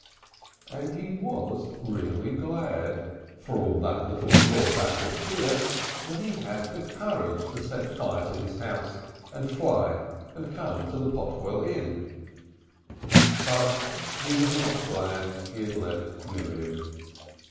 And he was really glad, for all that little drawback of fear, that he had the courage to set fire to his house and fly and come to the Potwell Inn. But he was not glad he had left Miriam.